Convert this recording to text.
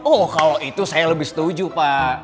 oh kalau itu saya lebih setuju pak